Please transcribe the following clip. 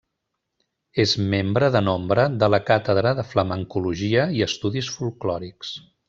És membre de nombre de la Càtedra de Flamencologia i estudis folklòrics.